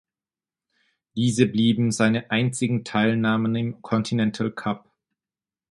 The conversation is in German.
Diese blieben seine einzigen Teilnahmen im Continental Cup.